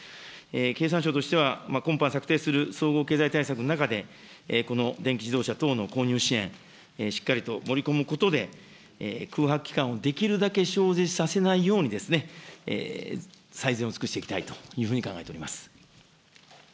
経産省としては、今般策定する総合経済対策の中で、この電気自動車等の購入支援、しっかりと盛り込むことで、空白期間をできるだけ生じさせないように最善を尽くしていきたいというふうに考えております。